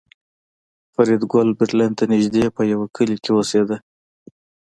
فریدګل برلین ته نږدې په یوه کلي کې اوسېده